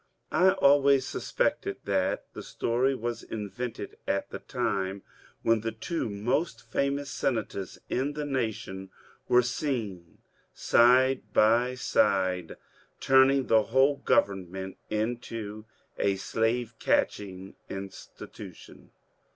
I always suspected that the story was invented at the time when the two most famous senators in the nation were seen side by side turning the whole government into a slave catching institution.